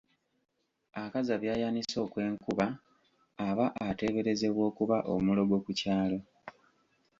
Akaza by'ayanise okw'enkuba aba ateeberezebwa okuba omulogo ku kyalo.